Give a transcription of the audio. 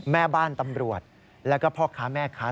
แม่บ้านตำรวจแล้วก็พ่อค้าแม่ค้า